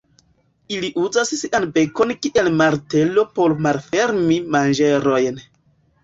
Ili uzas sian bekon kiel martelo por malfermi manĝerojn.